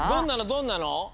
どんなの？